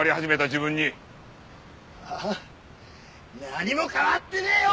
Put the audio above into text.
何も変わってねえよ